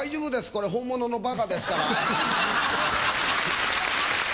これ本物のバカですから。